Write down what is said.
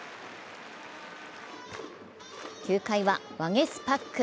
９回はワゲスパック。